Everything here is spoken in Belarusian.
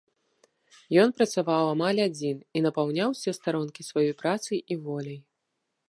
Ён працаваў амаль адзін і напаўняў усе старонкі сваёй працай і воляй.